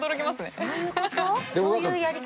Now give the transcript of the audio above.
そういうやり口？